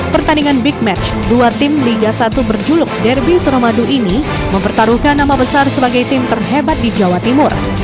pertandingan big match dua tim liga satu berjuluk derby suramadu ini mempertaruhkan nama besar sebagai tim terhebat di jawa timur